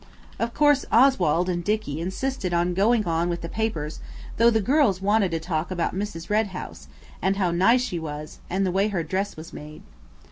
Of course Oswald and Dicky insisted on going on with the papers; though the girls wanted to talk about Mrs. Red House, and how nice she was, and the way her dress was made.